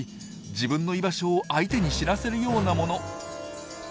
自分の居場所を相手に知らせるようなもの。